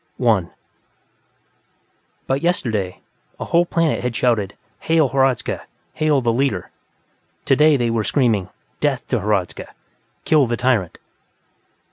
_ 1 But yesterday, a whole planet had shouted: Hail Hradzka! Hail the Leader! Today, they were screaming: _Death to Hradzka! Kill the tyrant!